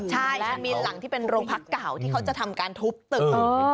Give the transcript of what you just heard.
ใช่จะมีหลังที่เป็นโรงพักเก่าที่เขาจะทำการทุบตึก